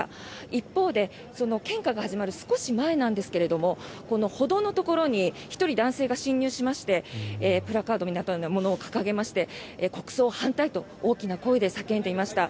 一方で、献花が始まる少し前なんですがこの歩道のところに１人、男性が進入しましてプラカードみたいなものを掲げまして国葬反対！と大きな声で叫んでいました。